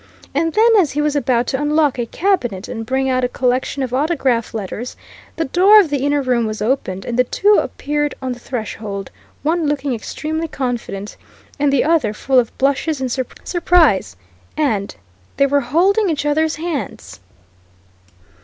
And then, as he was about to unlock a cabinet, and bring out a collection of autograph letters, the door of the inner room was opened, and the two appeared on the threshold, one looking extremely confident, and the other full of blushes and surprise. And they were holding each other's hands.